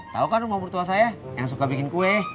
tau kan rumah mertua saya yang suka bikin kue